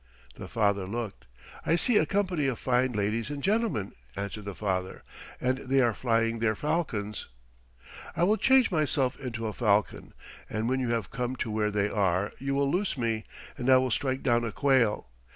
The father looked. "I see a company of fine ladies and gentlemen," answered the father, "and they are flying their falcons." "I will change myself into a falcon, and when you have come to where they are you shall loose me, and I will strike down a quail.